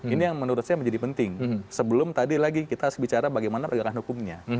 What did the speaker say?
ini yang menurut saya menjadi penting sebelum tadi lagi kita harus bicara bagaimana penegakan hukumnya